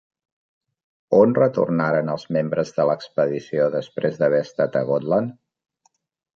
On retornaren els membres de l'expedició després d'haver estat a Gotland?